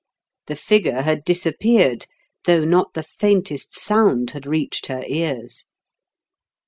The figure had disappeared, though not the faintest sound had reached her ears.